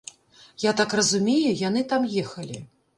Я так разумею, яны там ехалі.